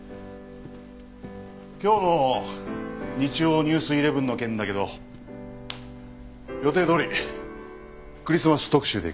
今日の『日曜ＮＥＷＳ１１』の件だけど予定どおりクリスマス特集でいく。